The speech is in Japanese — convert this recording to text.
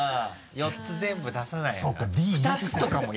４つ全部出さないのよ。